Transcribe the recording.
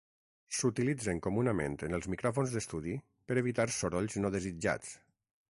S'utilitzen comunament en els micròfons d'estudi per evitar sorolls no desitjats.